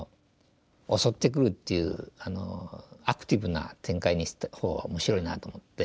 襲ってくるっていうアクティブな展開にしたほうが面白いなと思って。